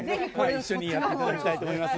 一緒にやっていただきたいと思います。